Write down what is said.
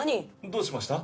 どうしました？